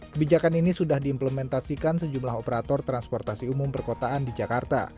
kebijakan ini sudah diimplementasikan sejumlah operator transportasi umum perkotaan di jakarta